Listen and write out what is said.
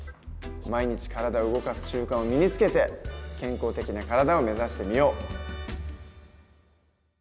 毎日体を動かす習慣を身につけて健康的な体を目指してみよう。